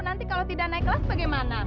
nanti kalau tidak naik kelas bagaimana